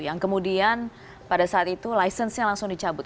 yang kemudian pada saat itu license nya langsung dicabut